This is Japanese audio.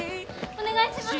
お願いします！